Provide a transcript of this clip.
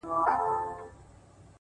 که ستا د قبر جنډې هر وخت ښکلول گلونه _